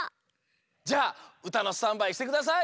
じゃあうたのスタンバイしてください。